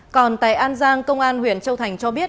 còn tại an giang công an huyện châu thành cho biết